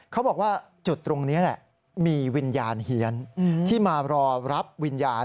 เขาบอกว่าจุดตรงนี้แหละมีวิญญาณเฮียนที่มารอรับวิญญาณ